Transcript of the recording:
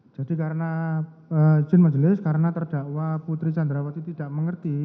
jadi karena izin majelis karena terdakwa putri sandrawati tidak mengerti